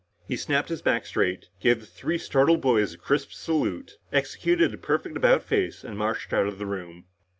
He snapped his back straight, gave the three startled boys a crisp salute, executed a perfect about face and marched out of the room.